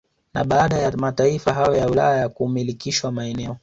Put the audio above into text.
Na baada ya mataifa hayo ya Ulaya kumilikishwa maeneo